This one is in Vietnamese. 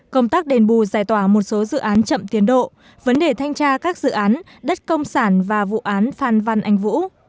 công tác đền bù giải tỏa một số dự án chậm tiến độ vấn đề thanh tra các dự án đất công sản và vụ án phan văn anh vũ